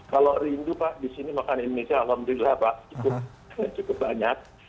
kalau rindu pak di sini makanan indonesia alhamdulillah pak cukup banyak